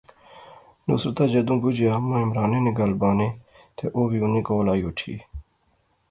نصرتا جیدوں بجیا اماں عمرانے نی گل بانے تے او وی انیں کول آئی اوٹھی